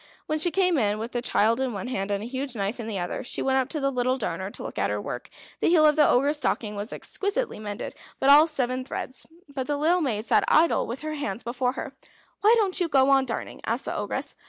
When she came in, with the child in one hand, and the huge knife in the other, she went up to the little darner to look at her work. The heel of the Ogre's stocking was exquisitely mended, all but seven threads; but the little maid sat idle with her hands before her. "Why don't you go on darning?" asked the Ogress.